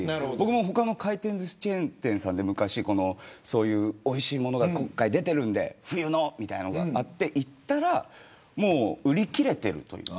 他の回転ずしチェーン店さんで昔おいしいものが出ているので冬のみたいなのがあって行ったら売り切れているという。